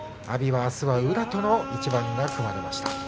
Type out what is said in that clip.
阿炎はあすは宇良との一番が組まれました。